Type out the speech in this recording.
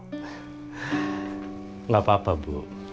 tidak apa apa bu